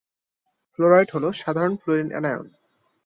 Fluoride হল সাধারণ fluorine anion.